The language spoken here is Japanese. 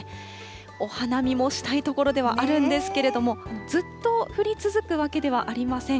お花見もしたいところではあるんですけれども、ずっと降り続くわけではありません。